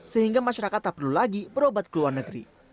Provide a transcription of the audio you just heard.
sehingga masyarakat tak perlu lagi berobat ke luar negeri